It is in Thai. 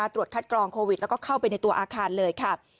ตรวจคัดกรองโควิดแล้วก็เข้าไปในตัวอาคารเลยค่ะ